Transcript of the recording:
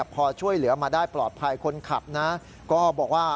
พอช่วยเหลือมาได้ปลอดภัยคนขับนะก็บอกว่า